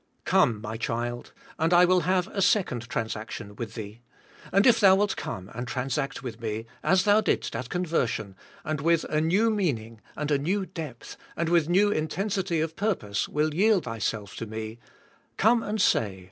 Come, my child, and I will have a second transaction with thee, and if thou wilt come and transact with Me, as thou didst at conversion, and with a new meaning and a new depth and with new intensity of purpose, will yield thyself to Me, come and say.